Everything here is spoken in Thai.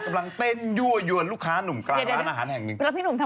กำลังเต้นยั่วยวนลูกค้าหนุ่มกลางร้านอาหารแห่งหนึ่ง